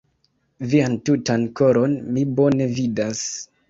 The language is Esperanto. Vian tutan koron mi bone vidas.